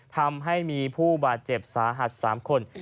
ทำให้มีผู้บาดเจ็บสาหัส๓คน